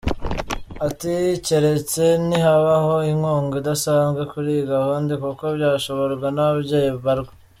Ati “Keretse nihabaho inkunga idasanzwe kuri iyi gahunda, kuko byashoborwa n’ababyeyi mbarwa.